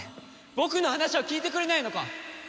僕の話は聞いてくれないのか！？